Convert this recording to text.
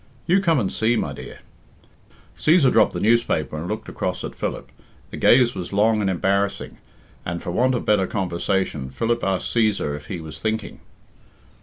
You come and see, my dear." Cæsar dropped the newspaper and looked across at Philip. The gaze was long and embarrassing, and, for want of better conversation, Philip asked Cæsar if he was thinking.